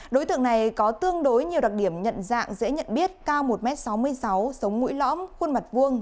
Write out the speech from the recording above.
đối tượng này có tương đối nhiều đặc điểm nhận dạng dễ nhận biết cao một m sáu mươi sáu sống mũi lõm khuôn mặt vuông